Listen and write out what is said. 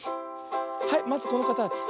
はいまずこのかたち。